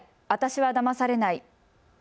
私はだまされない。